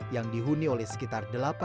yang dihuni oleh sekitar